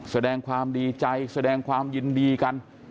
แสดงความดีใจแสดงความยินดีกัน